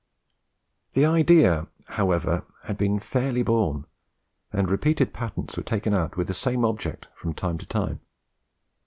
The idea, however, had been fairly born, and repeated patents were taken out with the same object from time to time.